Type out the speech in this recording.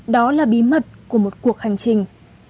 đó là bí mật của một cuộc hành trình